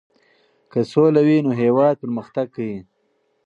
که سوله وي نو هېواد پرمختګ کوي.